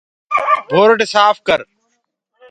دورڊ سآڦ ڪر۔